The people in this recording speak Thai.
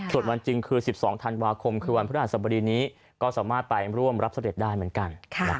ส่วนวันจริงคือ๑๒ธันวาคมคือวันพฤหัสบดีนี้ก็สามารถไปร่วมรับเสด็จได้เหมือนกัน